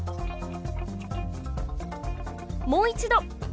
もう一度！